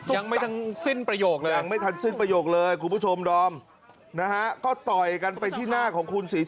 ยังไม่ทั้งสิ้นประโยคนั้นไม่ที่สุดประโยคเลยผมชมตอมน่าฮะก็ต่อยกันเป็นขี้หน้าของคุณ